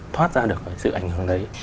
thoát ra được sự ảnh hưởng đấy